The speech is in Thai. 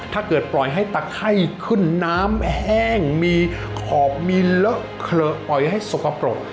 ถ้าเกิดปล่อยให้ตะไข้ขึ้นน้ำแห้งมีขอบมีเลอะเผลอปล่อยให้สกปรก